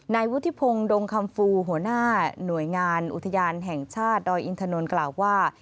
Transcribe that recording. นายวุฒิพงศ์ดงคำฟูหัวหน้าหน่วยงานอุทยานแห่งชาติดอยอินทนนท์กล่าวว่า